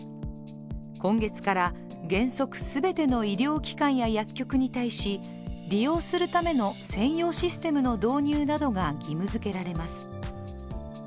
今月から原則全ての医療機関や薬局に対し利用するための専用システムの導入などが義務づけられます。